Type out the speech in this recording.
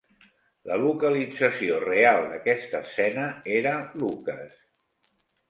La localització real d'aquesta escena era Lucas.